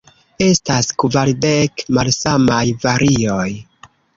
Estas kvardek malsamaj varioj.